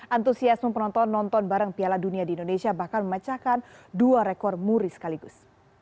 antusiasme penonton nonton bareng piala dunia di indonesia bahkan memecahkan dua rekor muri sekaligus